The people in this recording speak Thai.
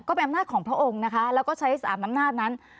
ก็เป็นอำนาจของพระองค์นะคะแล้วก็ใช้อำนาจนั้น